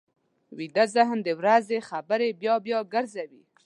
ویده ذهن د ورځې خبرې بیا بیا ګرځوي